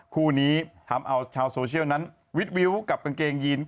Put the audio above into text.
คู่นี้เอาทาวน์เซอแบบนั้นวิทย์วิวกับกางเกงยีน